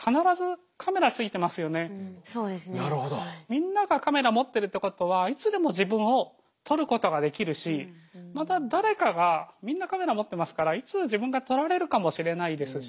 みんながカメラ持ってるってことはいつでも自分を撮ることができるしまた誰かがみんなカメラ持ってますからいつ自分が撮られるかもしれないですし